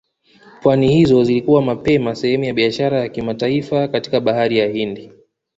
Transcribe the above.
pwani hizo zilikuwa mapema sehemu ya biashara ya kimataifa katika Bahari Hindi